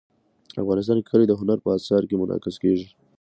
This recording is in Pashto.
افغانستان کې کلي د هنر په اثار کې منعکس کېږي.